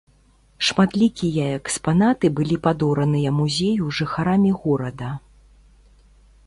Шматлікія экспанаты былі падораныя музею жыхарамі горада.